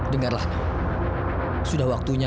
dengarlah sudah waktunya